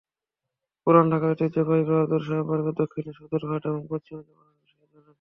পুরান ঢাকার ঐতিহ্যবাহী বাহাদুর শাহ পার্কের দক্ষিণে সদরঘাট এবং পশ্চিমে জগন্নাথ বিশ্ববিদ্যালয়।